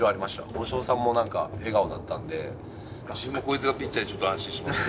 大城さんもなんか、笑顔だ自分もこいつがピッチャーでちょっと安心しました。